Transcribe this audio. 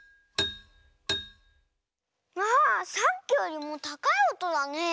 あさっきよりもたかいおとだね。